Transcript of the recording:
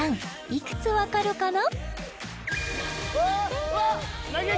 いくつわかるかな？